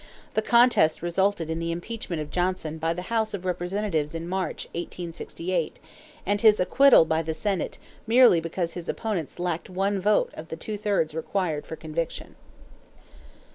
The contest resulted in the impeachment of Johnson by the House of Representatives in March, 1868, and his acquittal by the Senate merely because his opponents lacked one vote of the two thirds required for conviction.